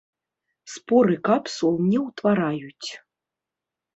Спор і капсул не ўтвараюць.